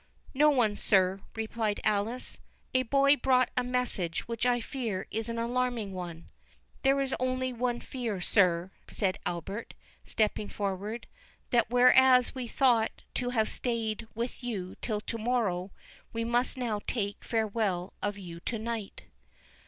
"No one, sir," replied Alice; "a boy brought a message, which I fear is an alarming one." "There is only fear, sir," said Albert, stepping forward, "that whereas we thought to have stayed with you till to morrow, we must now take farewell of you to night."